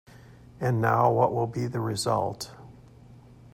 And now what will be the result?